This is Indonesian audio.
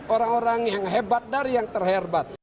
orang orang yang hebat dari yang terhebat